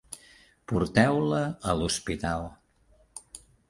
Porteu-la a l'hospital.